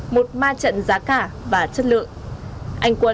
một ma trận giá cả và chất lượng